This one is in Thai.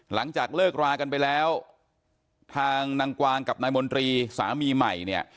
หลังจากเลิกรากันไปแล้วทางนางกวางกับนายมนตรีสามีใหม่เนี่ย